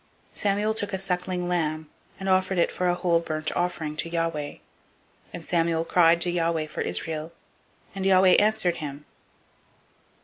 007:009 Samuel took a sucking lamb, and offered it for a whole burnt offering to Yahweh: and Samuel cried to Yahweh for Israel; and Yahweh answered him.